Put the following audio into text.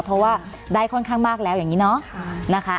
เพราะว่าได้ค่อนข้างมากแล้วอย่างนี้เนาะนะคะ